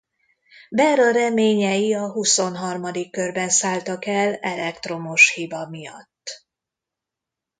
Behra reményei a huszonharmadik körben szálltak el elektromos hiba miatt.